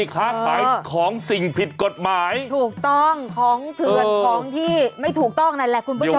ค้าขายของสิ่งผิดกฎหมายถูกต้องของเถื่อนของที่ไม่ถูกต้องนั่นแหละคุณผู้ชม